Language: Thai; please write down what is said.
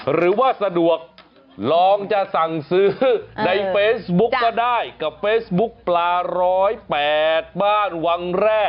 หรือว่าสะดวกลองจะสั่งซื้อในเฟซบุ๊กก็ได้กับเฟซบุ๊กปลา๑๐๘บ้านวังแร่